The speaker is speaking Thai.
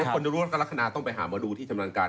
คนรวมก็ลักษณะต้องไปหามาดูที่ชำนาญการ